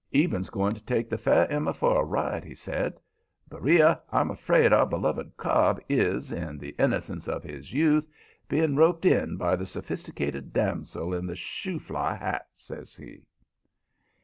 Eben's going to take the fair Emma for a ride," he says. "Beriah, I'm afraid our beloved Cobb is, in the innocence of his youth, being roped in by the sophisticated damsel in the shoo fly hat," says he.